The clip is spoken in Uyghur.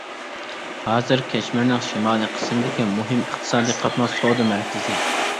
ھازىر كەشمىرنىڭ شىمالىي قىسمىدىكى مۇھىم ئىقتىسادىي، قاتناش، سودا مەركىزى.